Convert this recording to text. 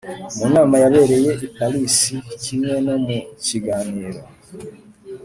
mu nama yabereye i parisi kimwe no mu kiganiro